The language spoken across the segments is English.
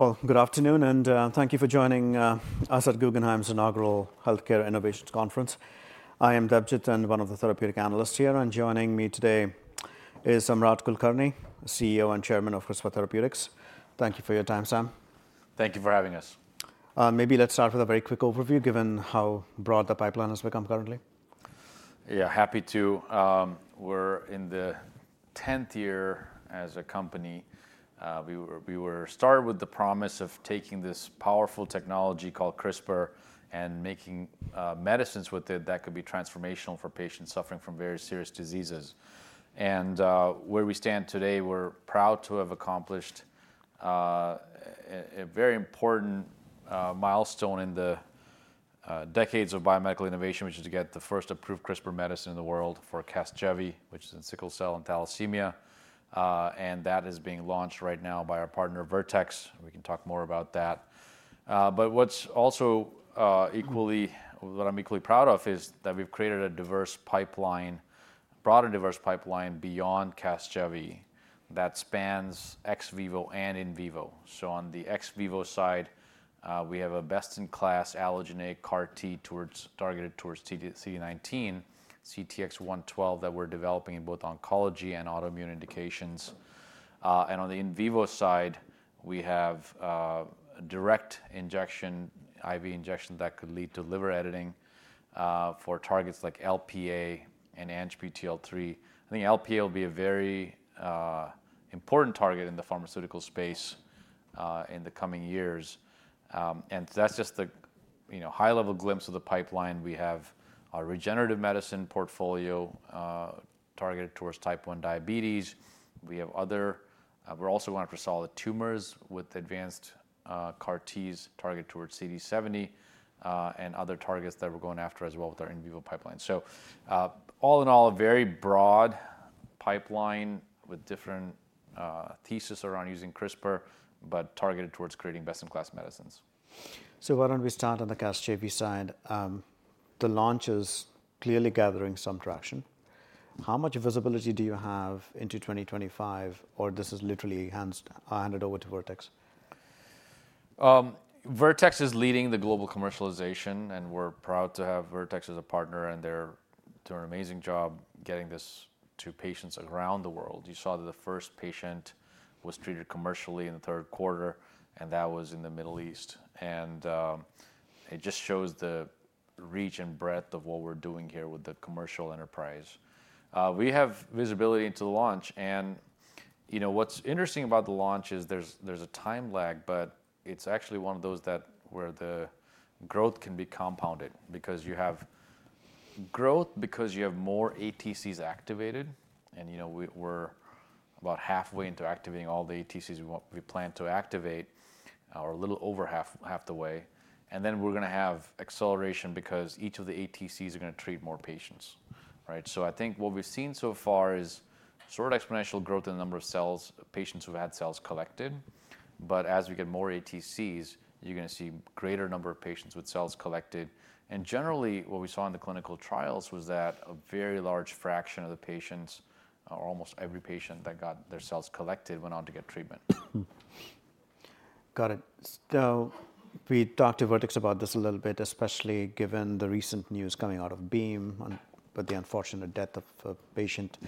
Good afternoon, and thank you for joining us at Guggenheim's inaugural Healthcare Innovations Conference. I am Debjit, one of the therapeutic analysts here, and joining me today is Samarth Kulkarni, CEO and Chairman of CRISPR Therapeutics. Thank you for your time, Sam. Thank you for having us. Maybe let's start with a very quick overview, given how broad the pipeline has become currently. Yeah, happy to. We're in the 10th year as a company. We were started with the promise of taking this powerful technology called CRISPR and making medicines with it that could be transformational for patients suffering from very serious diseases, and where we stand today, we're proud to have accomplished a very important milestone in the decades of biomedical innovation, which is to get the first approved CRISPR medicine in the world for CASGEVY, which is in sickle cell and thalassemia, and that is being launched right now by our partner, Vertex. We can talk more about that. But what's also equally what I'm equally proud of is that we've created a diverse pipeline, broad and diverse pipeline beyond CASGEVY that spans ex vivo and in vivo. So on the ex vivo side, we have a best-in-class allogeneic CAR T targeted towards CD19, CTX112 that we're developing in both oncology and autoimmune indications. And on the in vivo side, we have direct injection, IV injection that could lead to liver editing for targets like LP(a) and ANGPTL3. I think LP(a) will be a very important target in the pharmaceutical space in the coming years. And that's just the high-level glimpse of the pipeline. We have a regenerative medicine portfolio targeted towards type 1 diabetes. We have other we're also going after solid tumors with advanced CAR Ts targeted towards CD70 and other targets that we're going after as well with our in vivo pipeline. So all in all, a very broad pipeline with different theses around using CRISPR, but targeted towards creating best-in-class medicines. So why don't we start on the CASGEVY side? The launch is clearly gathering some traction. How much visibility do you have into 2025, or this is literally handed over to Vertex? Vertex is leading the global commercialization, and we're proud to have Vertex as a partner, and they're doing an amazing job getting this to patients around the world. You saw that the first patient was treated commercially in the third quarter, and that was in the Middle East. And it just shows the reach and breadth of what we're doing here with the commercial enterprise. We have visibility into the launch. And what's interesting about the launch is there's a time lag, but it's actually one of those that where the growth can be compounded because you have growth because you have more ATCs activated. And we're about halfway into activating all the ATCs we plan to activate, or a little over half the way. And then we're going to have acceleration because each of the ATCs are going to treat more patients. So I think what we've seen so far is sort of exponential growth in the number of cells, patients who've had cells collected. But as we get more ATCs, you're going to see a greater number of patients with cells collected. And generally, what we saw in the clinical trials was that a very large fraction of the patients, or almost every patient that got their cells collected, went on to get treatment. Got it. So we talked to Vertex about this a little bit, especially given the recent news coming out of Beam with the unfortunate death of a patient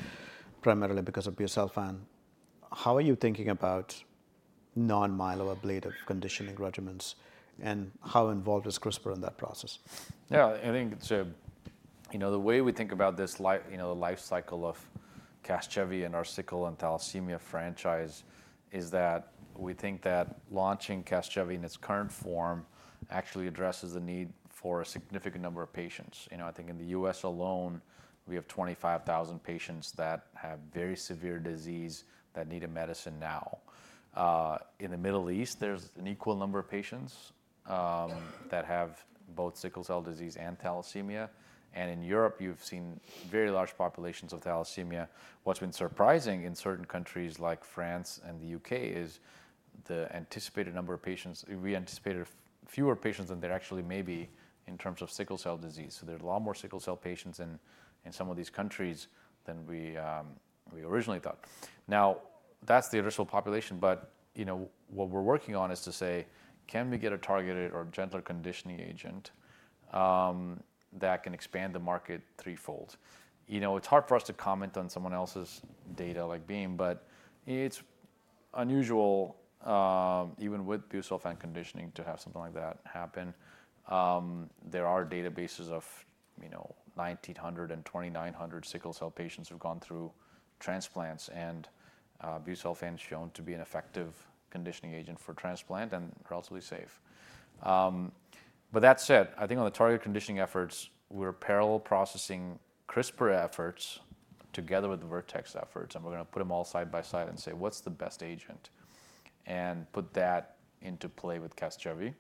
primarily because of busulfan. How are you thinking about non-myeloablative conditioning regimens, and how involved is CRISPR in that process? Yeah, I think the way we think about the life cycle of CASGEVY and our sickle and thalassemia franchise is that we think that launching CASGEVY in its current form actually addresses the need for a significant number of patients. I think in the U.S. alone, we have 25,000 patients that have very severe disease that need a medicine now. In the Middle East, there's an equal number of patients that have both sickle cell disease and thalassemia. And in Europe, you've seen very large populations of thalassemia. What's been surprising in certain countries like France and the U.K. is the anticipated number of patients. We anticipated fewer patients than there actually may be in terms of sickle cell disease. So there's a lot more sickle cell patients in some of these countries than we originally thought. Now, that's the initial population. But what we're working on is to say, can we get a targeted or gentler conditioning agent that can expand the market threefold? It's hard for us to comment on someone else's data like Beam, but it's unusual, even with Busulfan conditioning, to have something like that happen. There are databases of 1,900 and 2,900 sickle cell patients who've gone through transplants, and Busulfan has shown to be an effective conditioning agent for transplant and relatively safe. But that said, I think on the targeted conditioning efforts, we're parallel processing CRISPR efforts together with Vertex efforts. And we're going to put them all side by side and say, what's the best agent, and put that into play with CASGEVY.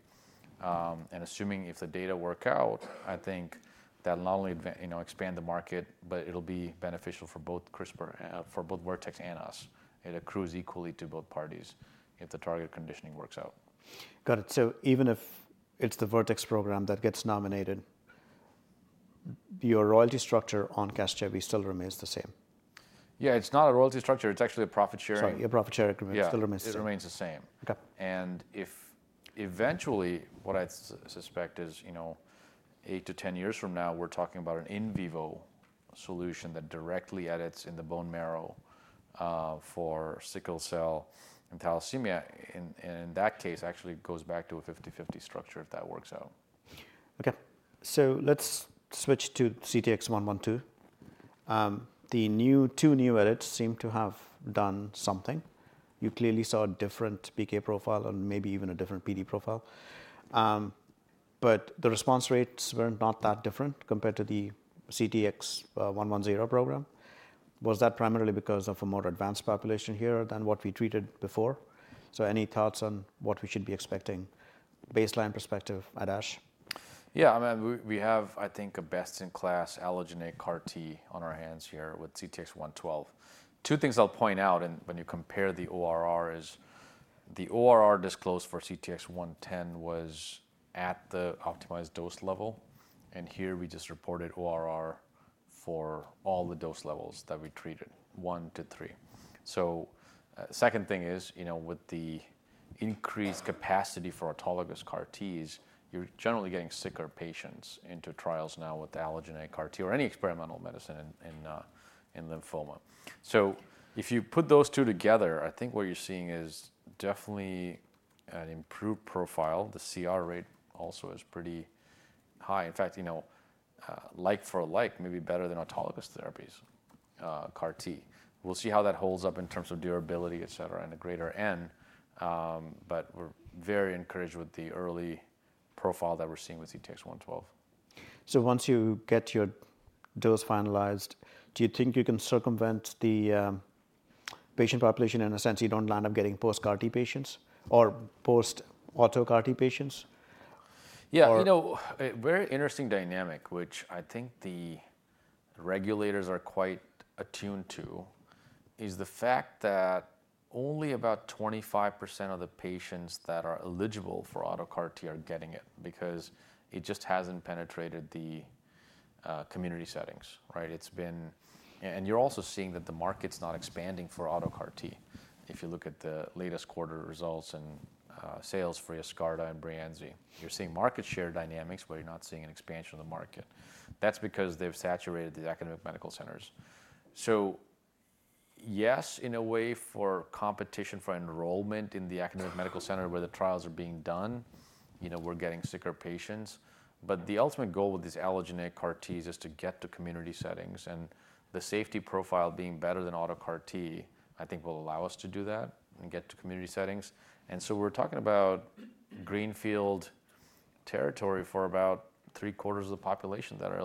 And assuming if the data work out, I think that'll not only expand the market, but it'll be beneficial for both CRISPR, for both Vertex and us. It accrues equally to both parties if the targeted conditioning works out. Got it. So even if it's the Vertex program that gets nominated, your royalty structure on CASGEVY still remains the same? Yeah, it's not a royalty structure. It's actually a profit sharing. Sorry, your profit sharing agreement still remains the same. Yeah, it remains the same. And eventually, what I suspect is eight to 10 years from now, we're talking about an in vivo solution that directly edits in the bone marrow for sickle cell and thalassemia. And in that case, actually goes back to a 50/50 structure if that works out. Okay. So let's switch to CTX112. The two new edits seem to have done something. You clearly saw a different PK profile and maybe even a different PD profile. But the response rates were not that different compared to the CTX110 program. Was that primarily because of a more advanced population here than what we treated before? So any thoughts on what we should be expecting, baseline perspective at ASH? Yeah, I mean, we have, I think, a best-in-class allogeneic CAR T on our hands here with CTX112. Two things I'll point out when you compare the ORR is the ORR disclosed for CTX110 was at the optimized dose level. And here, we just reported ORR for all the dose levels that we treated, one-three. So the second thing is, with the increased capacity for autologous CAR Ts, you're generally getting sicker patients into trials now with the allogeneic CAR T or any experimental medicine in lymphoma. So if you put those two together, I think what you're seeing is definitely an improved profile. The CR rate also is pretty high. In fact, like for like, maybe better than autologous therapies, CAR T. We'll see how that holds up in terms of durability, et cetera, in the greater end. But we're very encouraged with the early profile that we're seeing with CTX112. So once you get your dose finalized, do you think you can circumvent the patient population in a sense you don't land up getting post-CAR T patients or post-auto CAR T patients? Yeah, you know a very interesting dynamic, which I think the regulators are quite attuned to, is the fact that only about 25% of the patients that are eligible for auto CAR T are getting it because it just hasn't penetrated the community settings. And you're also seeing that the market's not expanding for auto CAR T. If you look at the latest quarter results and sales for Yescarta and Breyanzi, you're seeing market share dynamics, but you're not seeing an expansion of the market. That's because they've saturated the academic medical centers. So yes, in a way, for competition for enrollment in the academic medical center where the trials are being done, we're getting sicker patients. But the ultimate goal with these allogeneic CAR Ts is to get to community settings. And the safety profile being better than auto CAR T, I think, will allow us to do that and get to community settings. And so we're talking about greenfield territory for about three quarters of the population that are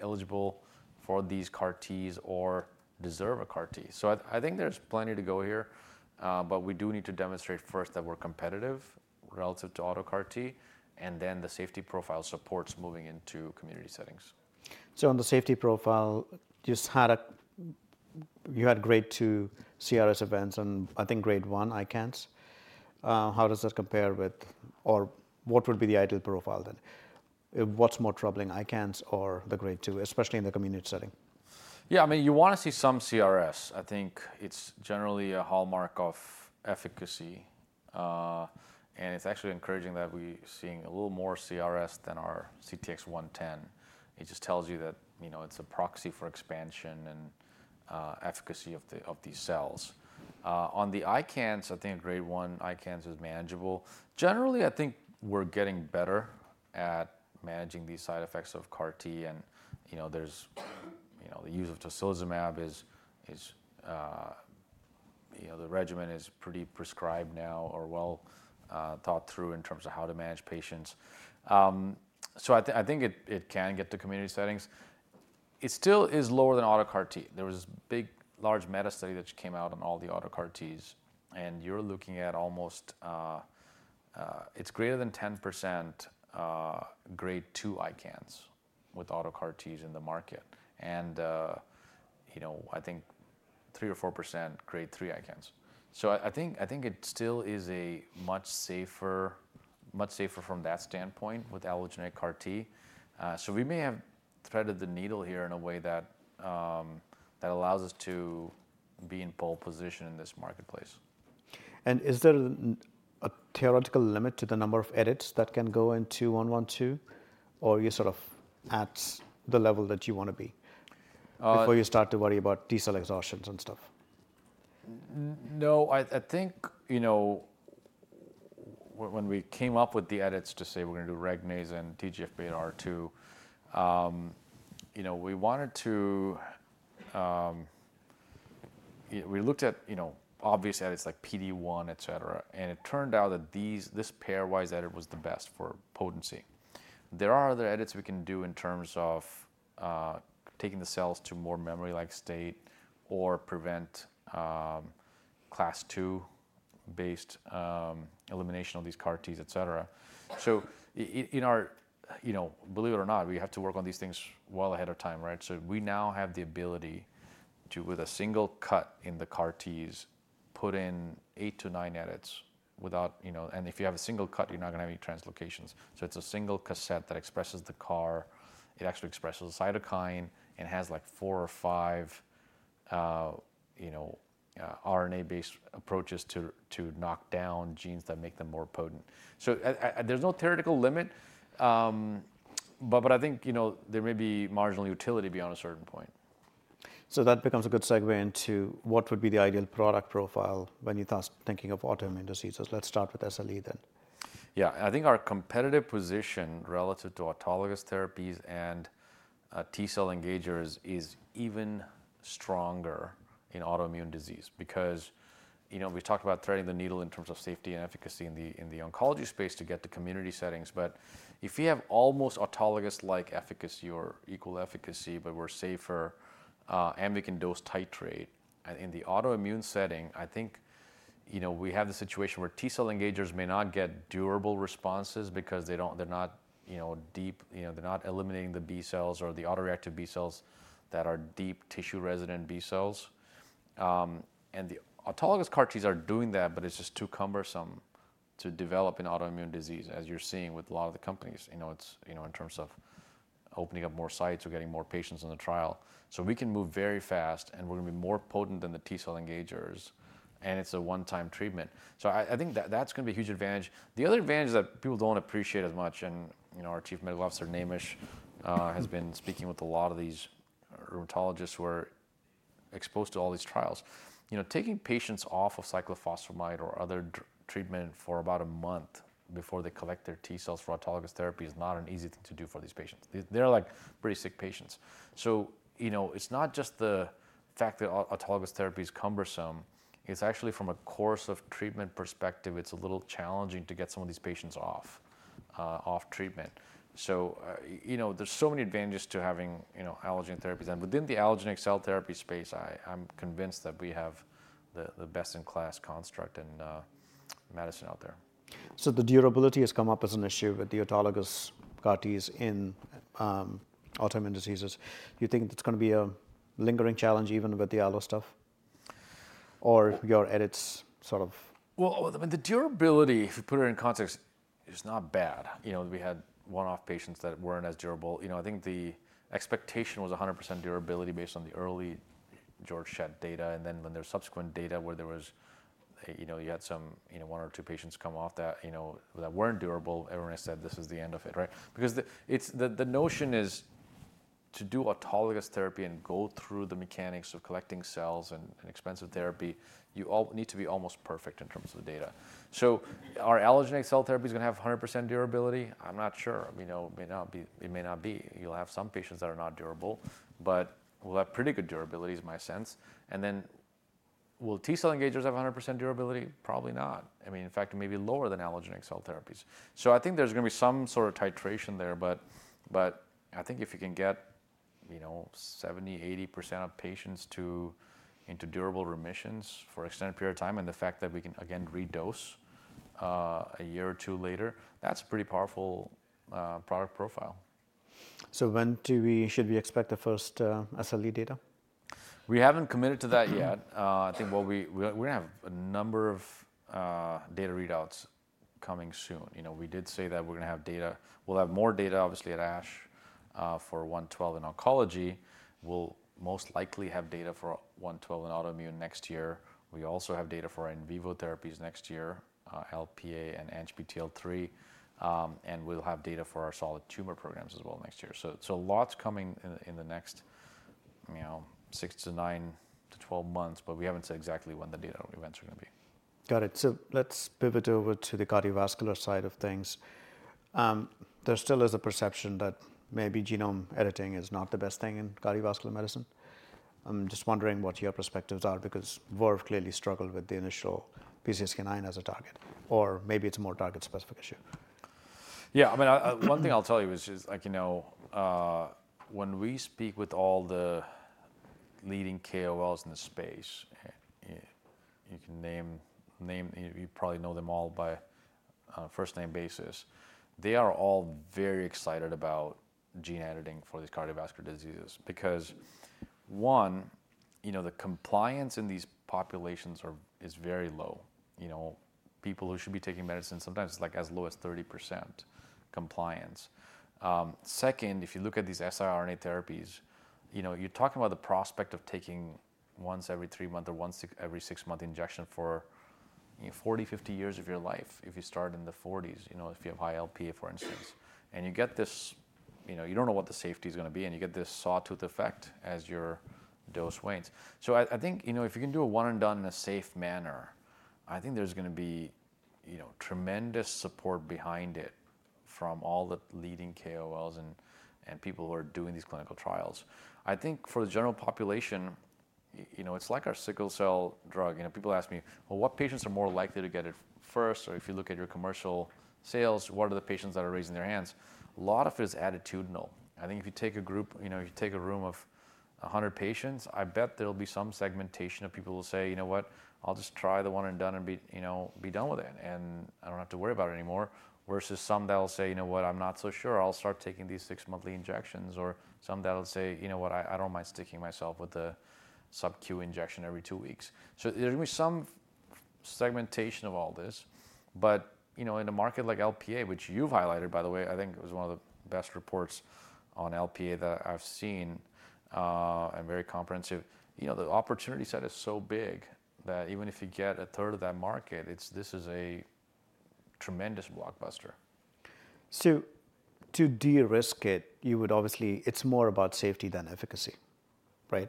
eligible for these CAR Ts or deserve a CAR T. So I think there's plenty to go here. But we do need to demonstrate first that we're competitive relative to auto CAR T, and then the safety profile supports moving into community settings. On the safety profile, you had grade 2 CRS events and, I think, grade 1 ICANS. How does that compare with, or what would be the ideal profile then? What's more troubling, ICANS or the grade 2, especially in the community setting? Yeah, I mean, you want to see some CRS. I think it's generally a hallmark of efficacy, and it's actually encouraging that we're seeing a little more CRS than our CTX110. It just tells you that it's a proxy for expansion and efficacy of these cells. On the ICANS, I think grade 1 ICANS is manageable. Generally, I think we're getting better at managing these side effects of CAR T, and the use of tocilizumab, the regimen is pretty prescribed now or well thought through in terms of how to manage patients. So I think it can get to community settings. It still is lower than auto CAR T. There was this big, large meta study that just came out on all the auto CAR Ts. And you're looking at almost, it's greater than 10% grade 2 ICANS with auto CAR Ts in the market, and I think 3% or 4% grade 3 ICANS. So I think it still is much safer from that standpoint with allogeneic CAR T. So we may have threaded the needle here in a way that allows us to be in pole position in this marketplace. Is there a theoretical limit to the number of edits that can go into 112, or you sort of at the level that you want to be before you start to worry about T cell exhaustions and stuff? No, I think when we came up with the edits to say we're going to do Regnase and TGFBR2, we looked at obvious edits like PD-1, et cetera. It turned out that this pairwise edit was the best for potency. There are other edits we can do in terms of taking the cells to more memory-like state or prevent Class II-based elimination of these CAR Ts, et cetera. Believe it or not, we have to work on these things well ahead of time. We now have the ability to, with a single cut in the CAR Ts, put in eight to nine edits. If you have a single cut, you're not going to have any translocations. It's a single cassette that expresses the CAR. It actually expresses cytokine and has like four or five RNA-based approaches to knock down genes that make them more potent. So there's no theoretical limit. But I think there may be marginal utility beyond a certain point. So that becomes a good segue into what would be the ideal product profile when you're thinking of autoimmune diseases. Let's start with SLE then. Yeah, I think our competitive position relative to autologous therapies and T cell engagers is even stronger in autoimmune disease because we talked about threading the needle in terms of safety and efficacy in the oncology space to get to community settings, but if we have almost autologous-like efficacy or equal efficacy, but we're safer, and we can dose titrate and in the autoimmune setting, I think we have the situation where T cell engagers may not get durable responses because they're not eliminating the B cells or the autoreactive B cells that are deep tissue resident B cells and the autologous CAR Ts are doing that, but it's just too cumbersome to develop in autoimmune disease, as you're seeing with a lot of the companies in terms of opening up more sites or getting more patients in the trial. We can move very fast, and we're going to be more potent than the T cell engagers. And it's a one-time treatment. So I think that's going to be a huge advantage. The other advantage that people don't appreciate as much, and our Chief Medical Officer, Naimish, has been speaking with a lot of these rheumatologists who are exposed to all these trials, taking patients off of cyclophosphamide or other treatment for about a month before they collect their T cells for autologous therapy is not an easy thing to do for these patients. They're like pretty sick patients. So it's not just the fact that autologous therapy is cumbersome. It's actually, from a course of treatment perspective, it's a little challenging to get some of these patients off treatment. So there's so many advantages to having allogeneic therapies. Within the allogeneic cell therapy space, I'm convinced that we have the best-in-class construct in medicine out there. So the durability has come up as an issue with the autologous CAR Ts in autoimmune diseases. Do you think that's going to be a lingering challenge even with the allo stuff or your edits sort of? I mean, the durability, if you put it in context, is not bad. We had one-off patients that weren't as durable. I think the expectation was 100% durability based on the early Georg data. And then when there's subsequent data where you had some one or two patients come off that weren't durable, everyone said this is the end of it, right? Because the notion is to do autologous therapy and go through the mechanics of collecting cells and expensive therapy, you all need to be almost perfect in terms of the data. So are allogeneic cell therapies going to have 100% durability? I'm not sure. It may not be. You'll have some patients that are not durable, but we'll have pretty good durability is my sense. And then will T cell engagers have 100% durability? Probably not. I mean, in fact, maybe lower than allogeneic cell therapies. So I think there's going to be some sort of titration there. But I think if you can get 70%, 80% of patients into durable remissions for an extended period of time and the fact that we can, again, redose a year or two later, that's a pretty powerful product profile. When should we expect the first SLE data? We haven't committed to that yet. I think we're going to have a number of data readouts coming soon. We did say that we're going to have data. We'll have more data, obviously, at ASH for 112 in oncology. We'll most likely have data for 112 in autoimmune next year. We also have data for in vivo therapies next year, LPA and ANGPTL3. And we'll have data for our solid tumor programs as well next year. So lots coming in the next six to nine to 12 months. But we haven't said exactly when the data events are going to be. Got it. So let's pivot over to the cardiovascular side of things. There still is a perception that maybe genome editing is not the best thing in cardiovascular medicine. I'm just wondering what your perspectives are because Verve clearly struggled with the initial PCSK9 as a target. Or maybe it's a more target-specific issue. Yeah, I mean, one thing I'll tell you is, when we speak with all the leading KOLs in the space, you can name, you probably know them all by first-name basis. They are all very excited about gene editing for these cardiovascular diseases because, one, the compliance in these populations is very low. People who should be taking medicine, sometimes it's like as low as 30% compliance. Second, if you look at these siRNA therapies, you're talking about the prospect of taking once every three months or once every six months injection for 40, 50 years of your life if you start in the 40s, if you have high Lp(a), for instance, and you don't know what the safety is going to be, and you get this sawtooth effect as your dose wanes. So I think if you can do a one-and-done in a safe manner, I think there's going to be tremendous support behind it from all the leading KOLs and people who are doing these clinical trials. I think for the general population, it's like our sickle cell drug. People ask me, well, what patients are more likely to get it first? Or if you look at your commercial sales, what are the patients that are raising their hands? A lot of it is attitudinal. I think if you take a group, if you take a room of 100 patients, I bet there'll be some segmentation of people who will say, you know what, I'll just try the one-and-done and be done with it, and I don't have to worry about it anymore, versus some that'll say, you know what, I'm not so sure. I'll start taking these six-monthly injections. Or some that'll say, you know what, I don't mind sticking myself with the sub-Q injection every two weeks. So there's going to be some segmentation of all this. But in a market like Lp(a), which you've highlighted, by the way, I think it was one of the best reports on Lp(a) that I've seen and very comprehensive, the opportunity set is so big that even if you get a third of that market, this is a tremendous blockbuster. So to de-risk it, it's more about safety than efficacy, right?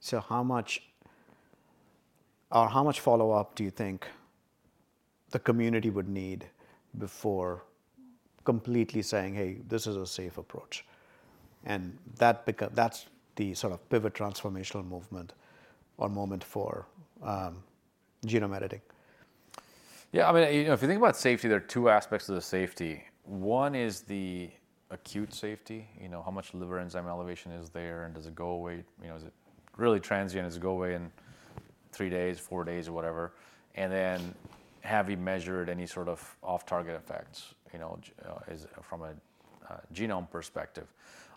So how much follow-up do you think the community would need before completely saying, hey, this is a safe approach? And that's the sort of pivot transformational movement or moment for genome editing. Yeah, I mean, if you think about safety, there are two aspects of the safety. One is the acute safety, how much liver enzyme elevation is there, and does it go away? Is it really transient? Does it go away in three days, four days, or whatever? And then have you measured any sort of off-target effects from a genome perspective?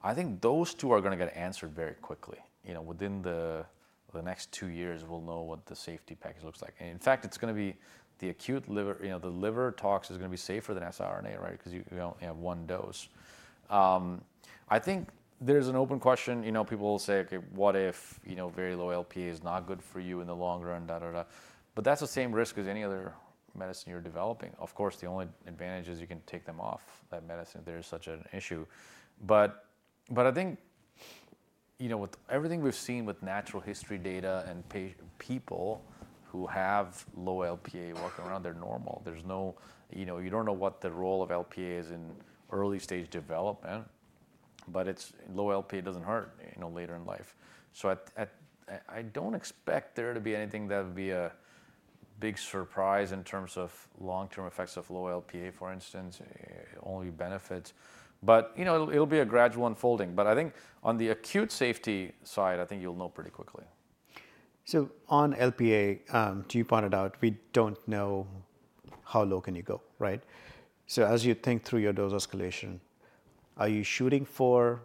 I think those two are going to get answered very quickly. Within the next two years, we'll know what the safety package looks like. And in fact, it's going to be the acute liver. The liver tox is going to be safer than siRNA, right, because you only have one dose. I think there's an open question. People will say, OK, what if very low Lp(a) is not good for you in the long run, da, da, da. But that's the same risk as any other medicine you're developing. Of course, the only advantage is you can take them off that medicine if there is such an issue. But I think with everything we've seen with natural history data and people who have low LPA walking around, they're normal. You don't know what the role of LPA is in early-stage development. But low LPA doesn't hurt later in life. So I don't expect there to be anything that would be a big surprise in terms of long-term effects of low LPA, for instance, only benefits. But it'll be a gradual unfolding. But I think on the acute safety side, I think you'll know pretty quickly. So on Lp(a), to your point about we don't know how low can you go, right? So as you think through your dose escalation, are you shooting for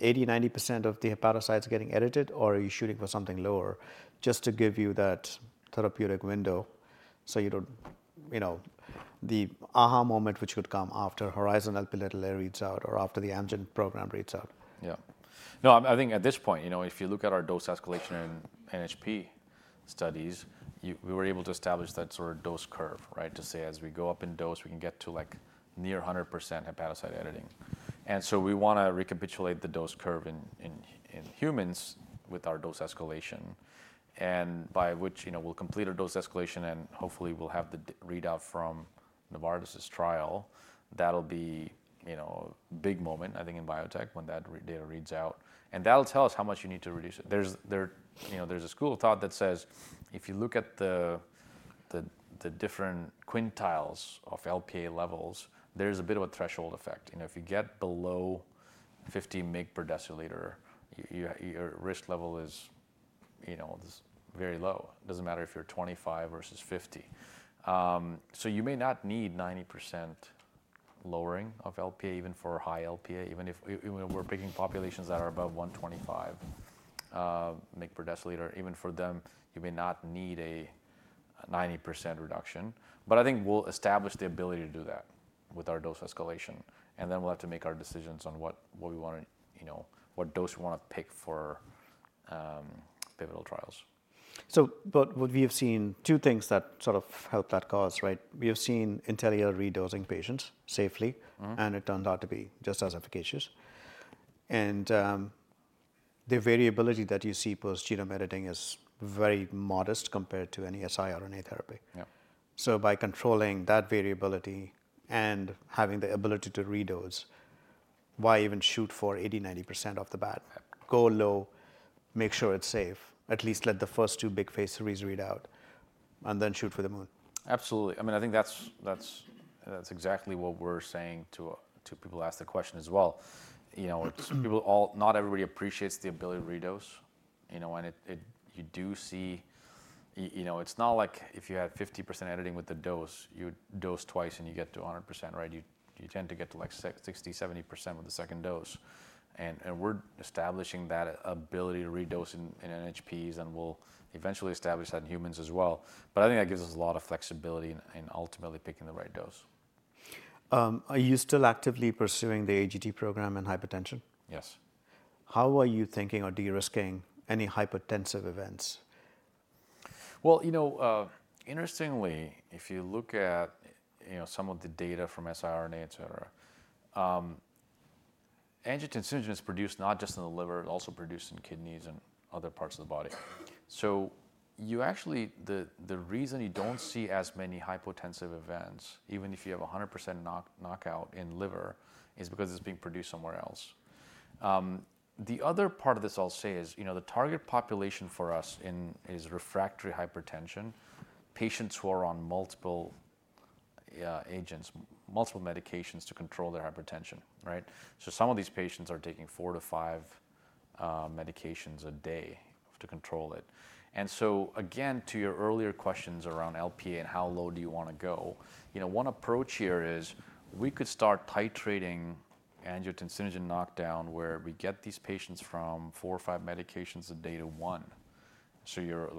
80%, 90% of the hepatocytes getting edited, or are you shooting for something lower just to give you that therapeutic window so you don't the aha moment, which would come after HORIZON reads out or after the Amgen program reads out? Yeah. No, I think at this point, if you look at our dose escalation and NHP studies, we were able to establish that sort of dose curve, right, to say as we go up in dose, we can get to near 100% hepatocyte editing. And so we want to recapitulate the dose curve in humans with our dose escalation. And by which we'll complete our dose escalation, and hopefully, we'll have the readout from Novartis' trial. That'll be a big moment, I think, in biotech when that data reads out. And that'll tell us how much you need to reduce it. There's a school of thought that says if you look at the different quintiles of Lp(a) levels, there's a bit of a threshold effect. If you get below 50 mg/dL, your risk level is very low. It doesn't matter if you're 25 versus 50. So you may not need 90% lowering of LPA, even for high LPA, even if we're picking populations that are above 125 mg/dL. Even for them, you may not need a 90% reduction. But I think we'll establish the ability to do that with our dose escalation. And then we'll have to make our decisions on what dose we want to pick for pivotal trials. But we have seen two things that sort of help that cause, right? We have seen Intellia re-dosing patients safely. And it turned out to be just as efficacious. And the variability that you see post-genome editing is very modest compared to any siRNA therapy. So by controlling that variability and having the ability to redose, why even shoot for 80%-90% of the bad? Go low. Make sure it's safe. At least let the first two big phase 3s read out, and then shoot for the moon. Absolutely. I mean, I think that's exactly what we're saying to people who ask the question as well. Not everybody appreciates the ability to redose. And you do see it's not like if you have 50% editing with the dose, you dose twice and you get to 100%, right? You tend to get to like 60%, 70% with the second dose. And we're establishing that ability to redose in NHPs. And we'll eventually establish that in humans as well. But I think that gives us a lot of flexibility in ultimately picking the right dose. Are you still actively pursuing the AGT program in hypertension? Yes. How are you thinking or de-risking any hypertensive events? Interestingly, if you look at some of the data from siRNA, et cetera, angiotensinogen is produced not just in the liver. It's also produced in kidneys and other parts of the body. The reason you don't see as many hypotensive events, even if you have 100% knockout in liver, is because it's being produced somewhere else. The other part of this I'll say is the target population for us is refractory hypertension, patients who are on multiple agents, multiple medications to control their hypertension, right? Some of these patients are taking four to five medications a day to control it. Again, to your earlier questions around Lp(a) and how low do you want to go, one approach here is we could start titrating angiotensinogen knockdown where we get these patients from four or five medications a day to one. You're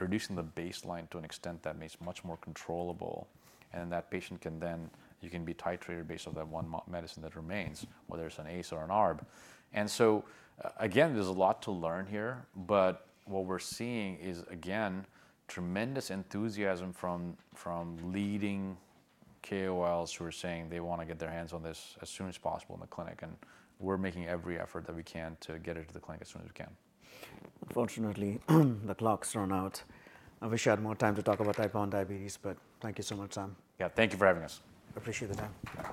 reducing the baseline to an extent that makes much more controllable. That patient can then be titrated based on that one medicine that remains, whether it's an ACE or an ARB. Again, there's a lot to learn here. What we're seeing is, again, tremendous enthusiasm from leading KOLs who are saying they want to get their hands on this as soon as possible in the clinic. We're making every effort that we can to get it to the clinic as soon as we can. Fortunately, the clock's run out. I wish I had more time to talk about type 1 diabetes, but thank you so much, Sam. Yeah, thank you for having us. Appreciate the time.